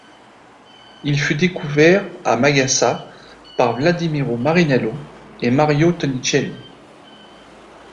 Il fut découvert le à Magasa par Wladimiro Marinello et Mario Tonincelli.